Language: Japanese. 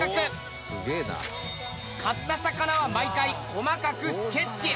買った魚は毎回細かくスケッチ。